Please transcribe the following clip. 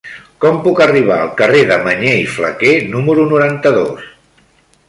Com puc arribar al carrer de Mañé i Flaquer número noranta-dos?